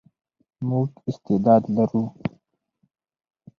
موږ استعداد لرو.